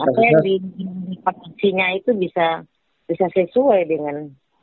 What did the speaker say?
apakah di paksinya itu bisa sesuai dengan